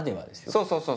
そうそうそう。